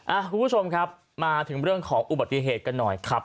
คุณผู้ชมครับมาถึงเรื่องของอุบัติเหตุกันหน่อยครับ